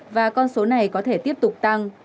và con số này có thể tiếp tục tăng